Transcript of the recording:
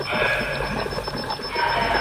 عزت د هر مسلمان شتمني ده.